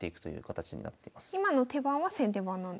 今の手番は先手番なんですね。